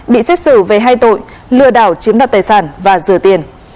bị xét xử về hai tội lừa đảo chiếm đoạt tài sản và dừa tiền